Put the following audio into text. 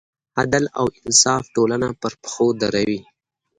عدل او انصاف ټولنه پر پښو دروي.